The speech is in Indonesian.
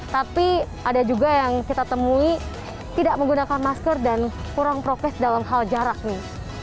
tapi ada juga yang kita temui tidak menggunakan masker dan kurang prokes dalam hal jarak nih